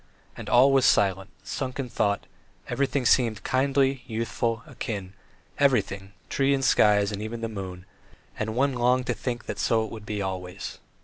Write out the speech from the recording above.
And all was silent, sunk in thought; everything around seemed kindly, youthful, akin, everything trees and sky and even the moon, and one longed to think that so it would be always.